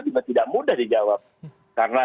juga tidak mudah dijawab karena